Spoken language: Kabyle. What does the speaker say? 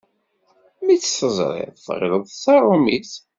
Mi tt-teẓriḍ tɣilleḍ d taṛumit.